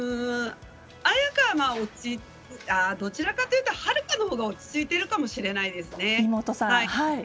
どちらかというと秦留可のほうが落ち着いているかもしれないです。